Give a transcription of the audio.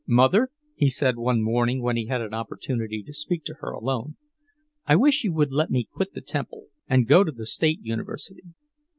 "Mother," he said one morning when he had an opportunity to speak to her alone, "I wish you would let me quit the Temple, and go to the State University."